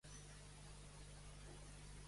We'll be dancing in the moonlight.